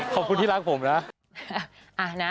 ขอบคุณที่รักผมนะ